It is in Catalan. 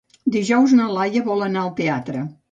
Dijous na Laia vol anar al teatre.